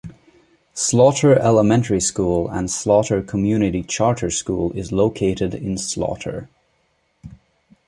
Slaughter Elementary School and Slaughter Community Charter School is located in Slaughter.